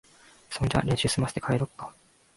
そんじゃ練習すませて、帰ろっか。